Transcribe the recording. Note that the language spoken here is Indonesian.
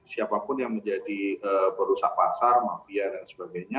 siapapun yang menjadi perusahaan pasar mafian dan sebagainya